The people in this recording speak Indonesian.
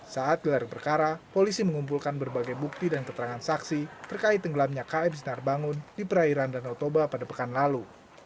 saat gelar perkara polisi mengumpulkan berbagai bukti dan keterangan saksi terkait tenggelamnya km sinar bangun di perairan danau toba pada pekan lalu